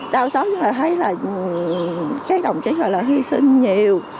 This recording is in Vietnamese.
đa số chúng ta thấy là các đồng chí gọi là hy sinh nhiều